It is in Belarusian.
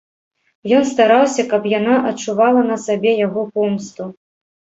Ён стараўся, каб яна адчувала на сабе яго помсту.